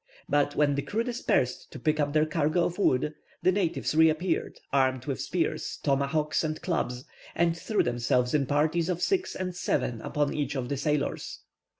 But, when the crew dispersed to pick up their cargo of wood, the natives reappeared, armed with spears, tomahawks, and clubs, and threw themselves in parties of six and seven upon each of the sailors.